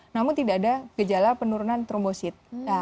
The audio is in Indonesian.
namun tidak ada gejala penurunan trombosit